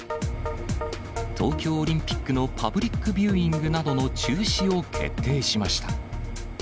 東京オリンピックのパブリックビューイングなどの中止を決定しました。